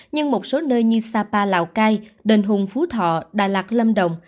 nhưng một số nơi như sapa lào cai đền hùng phú thọ đà lạt lâm đồng